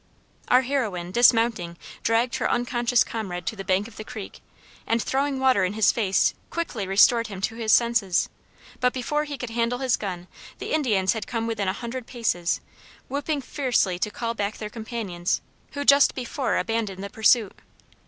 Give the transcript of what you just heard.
Our heroine, dismounting, dragged her unconscious comrade to the bank of the creek, and, throwing water in his face, quickly restored him to his senses; but, before he could handle his gun, the Indians had come within a hundred paces, whooping fiercely to call back their companions, who just before abandoned the pursuit.